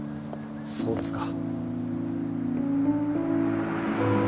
そうですか